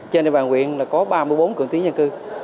trên đê bào nguyện có ba mươi bốn cường tí dân cư